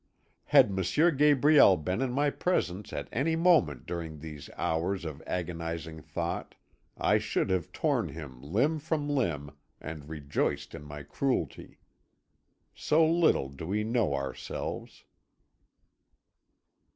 Had M. Gabriel been in my presence at any moment during these hours of agonising thought, I should have torn him limb from limb and rejoiced in my cruelty. So little do we know ourselves."